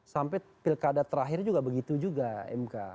sampai pilkada terakhir juga begitu juga mk